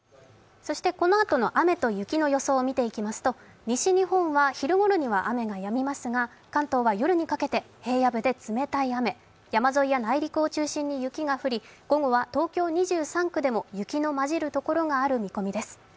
このあとの雨と雪の予想を見てみますと西日本は昼ごろには雨がやみますが、関東は夜にかけて平野部で冷たい雨山沿いや内陸を中心に雪が降り午後は東京２３区でも雪の交じるところがある見込みです。